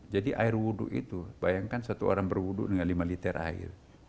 jadi air wuduk itu bayangkan satu orang berwuduk dengan lima liter air